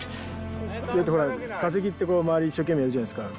だってほら化石ってこう周り一生懸命やるじゃないですか。